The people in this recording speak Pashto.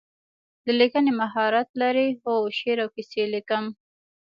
د لیکنې مهارت لرئ؟ هو، شعر او کیسې لیکم